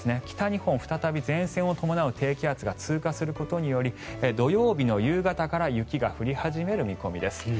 北日本、再び前線を伴う低気圧が通過することにより土曜日の夕方から雪が降り始める見込みです。